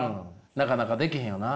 なかなかできへんよな。